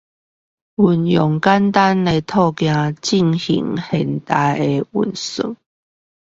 運用簡單的套件進行現代運算